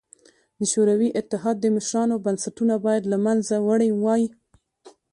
د شوروي اتحاد مشرانو بنسټونه باید له منځه وړي وای